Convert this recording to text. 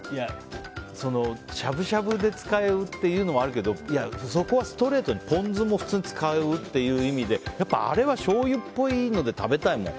しゃぶしゃぶで使うっていうのもあるけどそこはストレートにポン酢も普通に使うっていう意味でやっぱあれはしょうゆっぽいので食べたいもん。